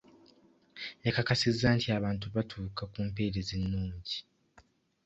Yakakasizza nti abantu batuuka ku mpeereza ennungi.